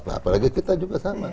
apalagi kita juga sama